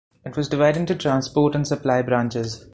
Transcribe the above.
It was divided into Transport and Supply Branches.